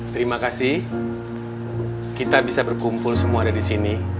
terima kasih kita bisa berkumpul semua ada di sini